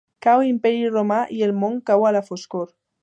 Cau l'Imperi Romà i el món cau a la foscor.